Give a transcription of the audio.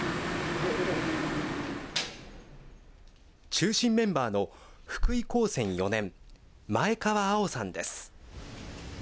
中心メンバーの福井高専４年、前川蒼さんです。